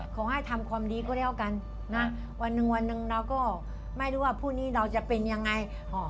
ขอให้ทำความดีก็แล้วกันนะวันหนึ่งวันหนึ่งเราก็ไม่รู้ว่าผู้นี้เราจะเป็นยังไง